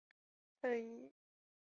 年轻时去世。